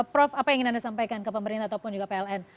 prof apa yang ingin anda sampaikan ke pemerintah ataupun juga pln